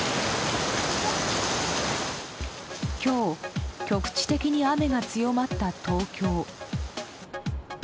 今日、局地的に雨が強まった東京。